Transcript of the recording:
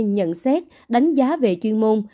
nhận xét đánh giá về chuyên môn